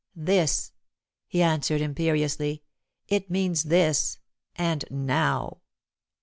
"This," he answered, imperiously. "It means this and now!"